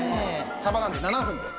サバなので７分で。